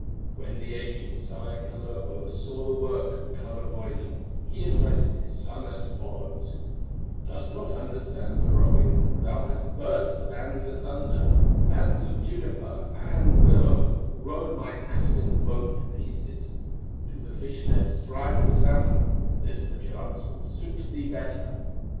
When the aged sire, Kalervo, Saw the work of Kullerwoinen, He addressed his son as follows: "Dost not understand the rowing; Thou hast burst the bands asunder, Bands of juniper and willow, Rowed my aspen boat to pieces; To the fish nets drive the salmon, This, perchance, will suit thee better."